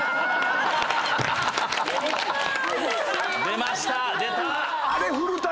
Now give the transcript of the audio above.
出ました。